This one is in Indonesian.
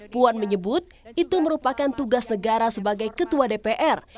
puan menyebut itu merupakan tugas negara sebagai ketua dpr